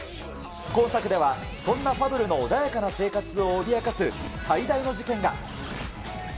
今作では、そんなファブルの穏やかな生活を脅かす最大の事件が。